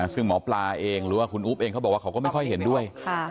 ซึ่งหมอปลาเองหรือว่าคุณอุ๊บเองเขาบอกว่าเขาก็ไม่ค่อยเห็นด้วย